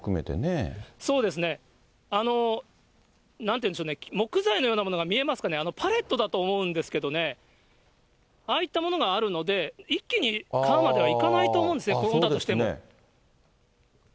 そうですね。なんていうんでしょうね、木材のようなものが見えますかね、あの、パレットだと思うんですけれども、ああいったものがあるので、一気に川までは行かないと思うんですね、落ちたとしても。